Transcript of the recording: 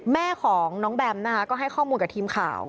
แม่ของน้องแบมนะคะก็ให้ข้อมูลกับทีมข่าว